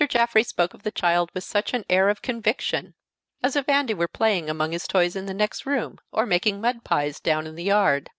Jaffrey spoke of the child with such an air of conviction! as if Andy were playing among his toys in the next room, or making mud pies down in the yard.